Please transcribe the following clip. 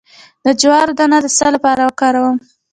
د جوار دانه د څه لپاره وکاروم؟